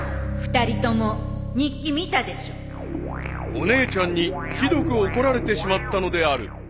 ［お姉ちゃんにひどく怒られてしまったのである］